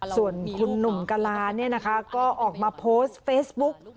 ส่วนคุณหนุ่มกลาร์นี่นะคะก็ออกมาโพสต์เฟซบุ๊ก